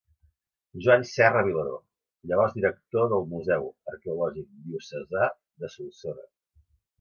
Joan Serra Vilaró, llavors director del Museu Arqueològic Diocesà de Solsona.